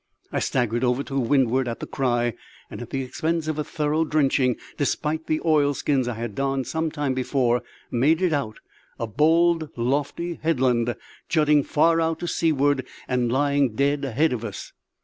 I staggered over to windward at the cry, and at the expense of a thorough drenching, despite the oilskins I had donned some time before, made it out, a bold lofty headland, jutting far out to seaward, and lying dead ahead of us.